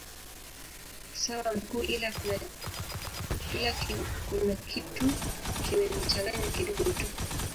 Sawa mkuu ila kuna kitu kimenichanganya kidogo tu